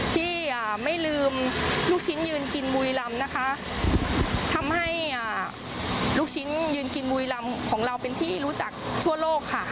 ที่ไม่ลืมลูกชิ้นยืนกินบุรีรำนะคะทำให้ลูกชิ้นยืนกินบุรีรำของเราเป็นที่รู้จักทั่วโลกค่ะ